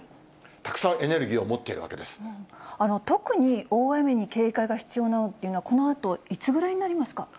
たくさんエネルギーを持っている特に大雨に警戒が必要なのはこのあと、いつぐらいになりますか。